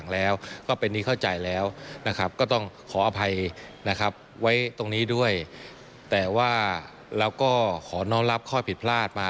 แล้วก็ขอน้องรับข้อผิดพลาดมา